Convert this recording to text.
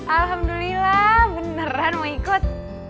alhamdulillah beneran mau ikut